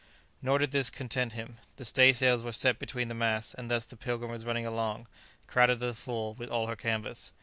Nor did this content him. The stay sails were set between the masts, and thus the "Pilgrim" was running along, crowded to the full, with all her canvas.